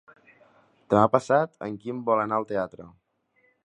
Demà passat en Quim vol anar al teatre.